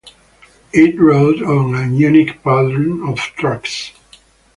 It rode on a unique pattern of trucks.